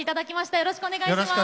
よろしくお願いします。